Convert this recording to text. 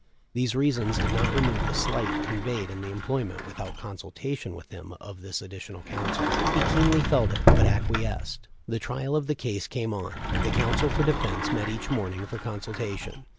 These reasons did not remove the slight conveyed in the employment without consultation with him of this additional counsel. He keenly felt it, but acquiesced. The trial of the case came on; the counsel for defense met each morning for consultation.